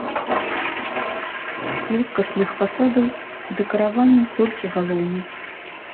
З плоскасных фасадаў дэкарыраваны толькі галоўны.